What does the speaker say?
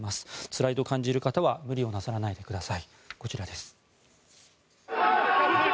つらいと感じる方は無理をなさらないでください。